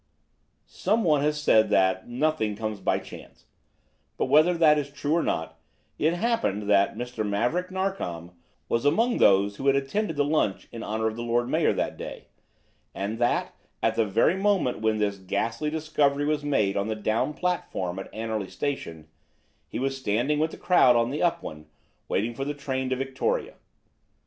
Some one has said that "nothing comes by chance," but whether that is true or not, it happened that Mr. Maverick Narkom was among those who had attended the lunch in honour of the Lord Mayor that day, and that, at the very moment when this ghastly discovery was made on the down platform at Anerley station, he was standing with the crowd on the up one, waiting for the train to Victoria.